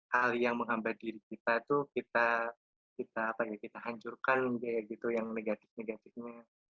hal yang menghambat diri kita itu kita hancurkan kayak gitu yang negatif negatifnya